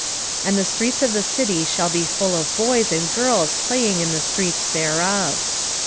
8:5 And the streets of the city shall be full of boys and girls playing in the streets thereof.